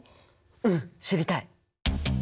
うん知りたい！